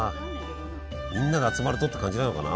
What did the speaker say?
みんなが集まるとって感じなのかな？